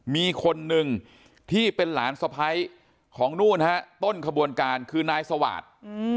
มีคนหนึ่งที่เป็นหลานสะพ้ายของนู่นฮะต้นขบวนการคือนายสวาส